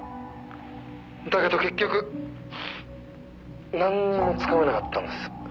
「だけど結局なんにもつかめなかったんです」